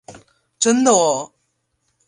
真的喔！